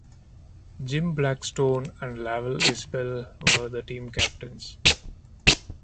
Jim Blackstone and Lavell Isbell were the team captains.